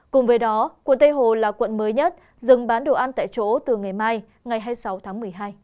cùng với đó quận tây hồ là quận mới nhất dừng bán đồ ăn tại chỗ từ ngày mai ngày hai mươi sáu tháng một mươi hai